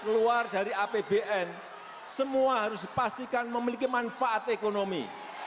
keluar dari apbn semua harus dipastikan memiliki manfaat ekonomi